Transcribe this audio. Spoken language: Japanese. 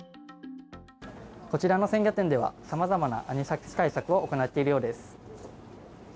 こちらの鮮魚店ではさまざまなアニサキス対策を行っているようです。